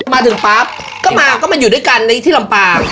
มาถึงปั๊บก็มาก็มาอยู่ด้วยกันในที่ลำปาง